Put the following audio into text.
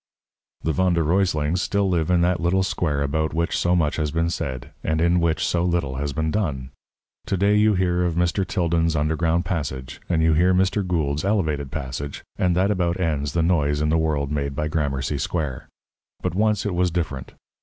The Von der Ruyslings still live in that little square about which so much has been said, and in which so little has been done. To day you hear of Mr. Tilden's underground passage, and you hear Mr. Gould's elevated passage, and that about ends the noise in the world made by Gramercy Square. But once it was different.